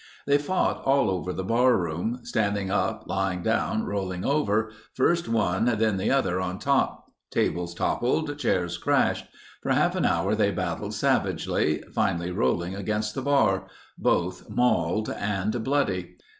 They fought all over the barroom—standing up; lying down; rolling over—first one then the other on top. Tables toppled, chairs crashed. For half an hour they battled savagely, finally rolling against the bar—both mauled and bloody.